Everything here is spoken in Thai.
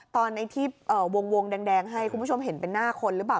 ตอนที่วงแดงให้คุณผู้ชมเห็นเป็นหน้าคนหรือเปล่า